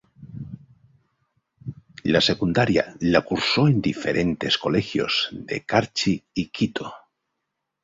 La secundaria la cursó en diferentes colegios de Carchi y Quito.